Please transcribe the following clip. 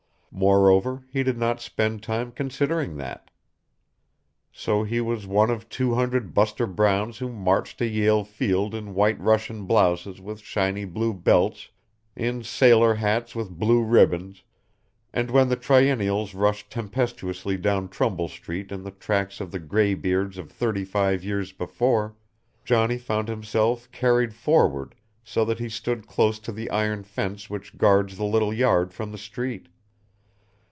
Moreover, he did not spend time considering that. So he was one of two hundred Buster Browns who marched to Yale Field in white Russian blouses with shiny blue belts, in sailor hats with blue ribbons, and when the Triennials rushed tempestuously down Trumbull Street in the tracks of the gray beards of thirty five years before, Johnny found himself carried forward so that he stood close to the iron fence which guards the little yard from the street.